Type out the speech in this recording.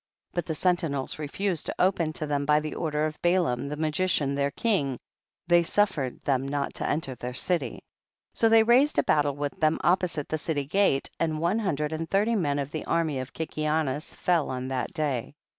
But the sentinels refused to open to them by the order of Balaam the magician their king, they suffer ed them not to enter their city. 16. So they raised a battle with them opposite the city gate, and one hundred and thirty men of the army of Kikianus fell on that day.